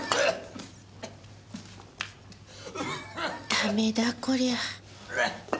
ダメだこりゃ。